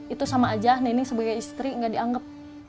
itu sama aja nining sebagai istri gak dianggap